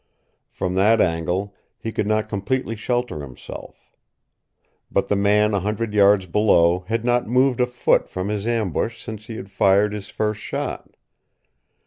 From that angle he could not completely shelter himself. But the man a hundred yards below had not moved a foot from his ambush since he had fired his first shot.